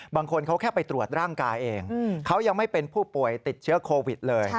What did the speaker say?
บางคนเขาแค่ไปตรวจร่างกายเองเขายังไม่เป็นผู้ป่วยติดเชื้อโควิดเลย